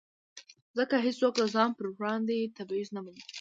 ځکه هېڅوک د ځان پر وړاندې تبعیض نه مني.